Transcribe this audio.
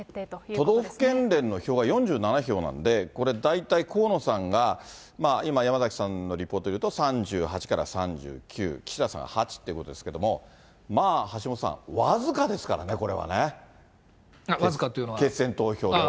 都道府県連の票が４７票なんで、これ大体、河野さんが、今、山崎さんのリポートでいうと３８から３９、岸田さんが８ということですけれども、まあ、橋下さん、僅かですからね、僅かというのは？決選投票では。